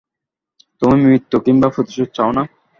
তুমি মৃত্যু কিংবা প্রতিশোধ চাও না।